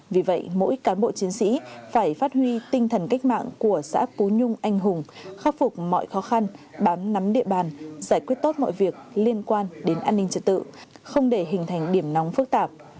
vì vậy mỗi cán bộ chiến sĩ phải phát huy tinh thần cách mạng của xã phú nhung anh hùng khắc phục mọi khó khăn bám nắm địa bàn giải quyết tốt mọi việc liên quan đến an ninh trật tự không để hình thành điểm nóng phức tạp